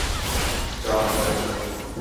যাও নিয়ে আসো।